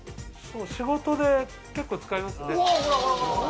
仕事で結構使いますね。